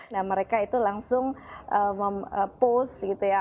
nah mereka itu langsung post gitu ya